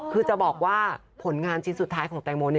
คือจะบอกว่าผลงานชิ้นสุดท้ายของแตงโม